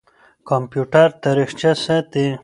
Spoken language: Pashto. کمپيوټر تاريخچه ساتي.